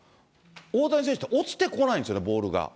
大谷選手って、落ちてこないんですね、ボールが。